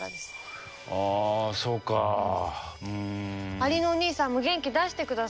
アリのお兄さんも元気出してください。